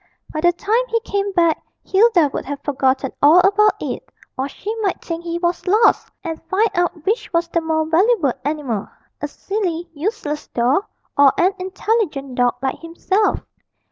By the time he came back Hilda would have forgotten all about it, or she might think he was lost, and find out which was the more valuable animal a silly, useless doll, or an intelligent dog like himself.